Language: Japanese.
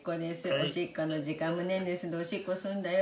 おしっこの時間ねんねするんでおしっこするんだよ